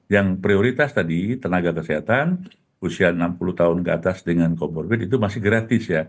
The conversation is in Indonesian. yang prioritas tadi tenaga kesehatan usia enam puluh tahun ke atas dengan comorbid itu masih gratis ya